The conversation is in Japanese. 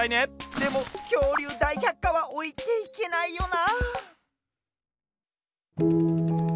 でも「きょうりゅうだいひゃっか」はおいていけないよな。